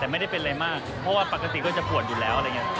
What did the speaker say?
แต่ไม่ได้เป็นอะไรมากเพราะว่าปกติก็จะปวดอยู่แล้วอะไรอย่างนี้